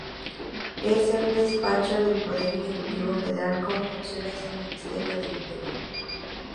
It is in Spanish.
Es el despacho del poder ejecutivo federal con funciones de Ministerio del Interior.